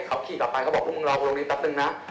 เขาขี่กลับไปเขาบอกพวกมึงรอตรงนี้แป๊บนึงนะ